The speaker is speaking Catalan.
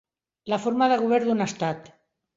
La forma de govern d'un estat.